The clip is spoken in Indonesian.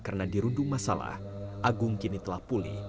karena dirundung masalah agung kini telah pulih